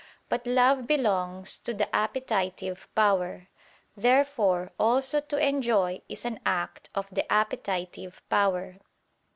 But love belongs to the appetitive power. Therefore also to enjoy is an act of the appetitive power.